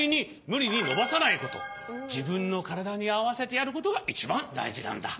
ぜったいにじぶんのからだにあわせてやることがいちばんだいじなんだ。